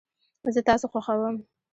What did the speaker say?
زه تاسو خوښوم